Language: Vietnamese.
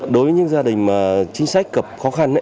đối với những gia đình mà chính sách gặp khó khăn